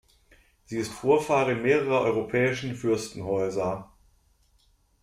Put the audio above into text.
Sie ist Vorfahrin mehrerer europäischen Fürstenhäuser.